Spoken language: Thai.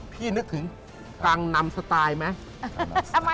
พี่นึกถึงกังนำสไตล์เหมือนกังนำ